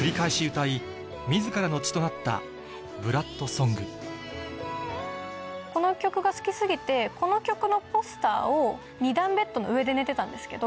歌い自らの血となったこの曲が好き過ぎてこの曲のポスターを２段ベッドの上で寝てたんですけど